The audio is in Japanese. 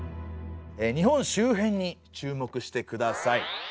日本周辺に注目してください。